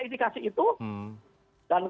indikasi itu dan